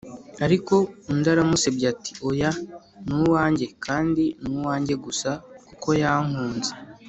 ariko undi aramusebya ati: “oya, ni uwanjye, kandi ni uwanjye gusa, kuko yankunze!”